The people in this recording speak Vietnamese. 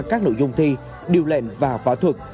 các nội dung thi điều lệnh và võ thuật